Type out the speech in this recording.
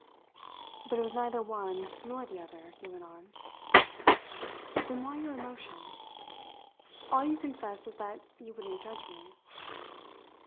"But it was neither one nor the other," he went on. "Then, why your emotion? All you confess is that you wouldn't judge me."